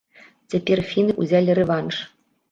Цяпер фіны ўзялі рэванш.